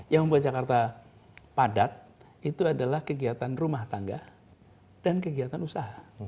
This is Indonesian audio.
yang membuat jakarta padat itu adalah kegiatan rumah tangga dan kegiatan usaha